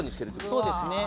そうですね。